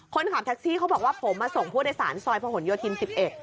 คนขับแท็กซี่เขาบอกว่าผมมาส่งผู้โดยสารซอยพระหลโยธิน๑๑